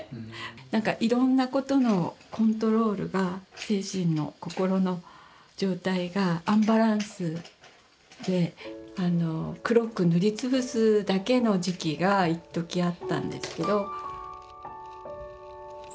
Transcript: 何かいろんなことのコントロールが精神の心の状態がアンバランスで黒く塗りつぶすだけの時期がいっときあったんですけど。